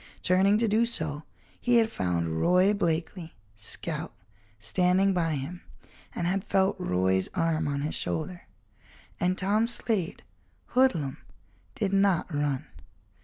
Turning to do so, he had found Roy Blakeley, scout, standing by him, and had felt Roy's arm on his shoulder. And Tom Slade, hoodlum, did not run.